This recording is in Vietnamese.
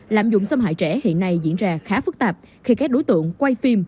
lạm dụng xâm hại trẻ hiện nay diễn ra khá phức tạp khi các đối tượng quay phim